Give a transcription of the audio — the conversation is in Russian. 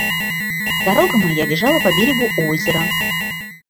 Дорога моя лежала по берегу озера.